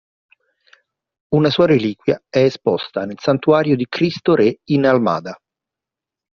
Una sua reliquia è esposta nel santuario di Cristo Re in Almada.